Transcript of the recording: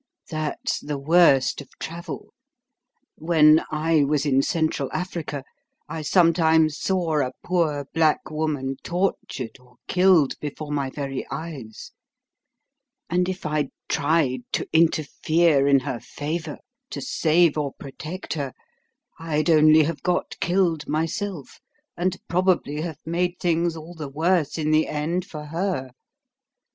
That's the worst of travel. When I was in Central Africa, I sometimes saw a poor black woman tortured or killed before my very eyes; and if I'd tried to interfere in her favour, to save or protect her, I'd only have got killed myself, and probably have made things all the worse in the end for her.